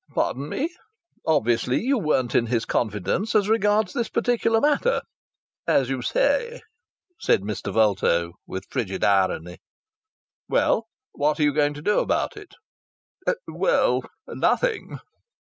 "Pardon me." "Obviously you weren't in his confidence as regards this particular matter." "As you say," said Mr. Vulto, with frigid irony. "Well, what are you going to do about it?" "Well nothing."